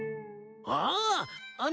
ああ！